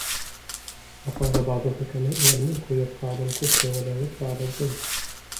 وَقَالَ بَعْضُ الْحُكَمَاءِ الْمُلْكُ يَبْقَى عَلَى الْكُفْرِ وَلَا يَبْقَى عَلَى الظُّلْمِ